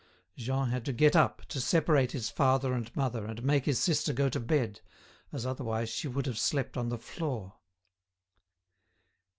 Jean had to get up to separate his father and mother and make his sister go to bed, as otherwise she would have slept on the floor.